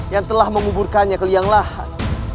yang telah menguburkannya ke liang lahat